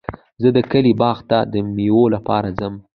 زه د کلي باغ ته د مېوو لپاره ځم.